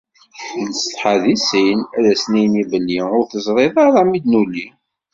Nessetḥa di sin ad as-nini belli ur tezṛi ara mi d-nuli.